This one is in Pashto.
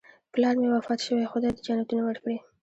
پلار مې وفات شوی، خدای دې جنتونه ورکړي